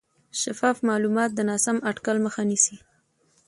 شفاف معلومات د ناسم اټکل مخه نیسي.